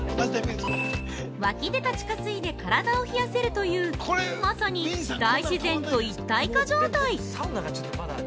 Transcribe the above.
◆湧き出た地下水で体を冷やせるという、まさに「大自然と一体化」状態。